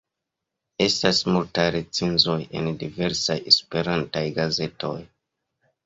Estas multaj recenzoj en diversaj Esperantaj gazetoj.